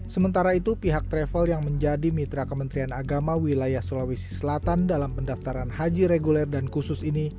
sementara itu pihak travel yang menjadi mitra kementerian agama wilayah sulawesi selatan dalam pendaftaran haji reguler dan khusus ini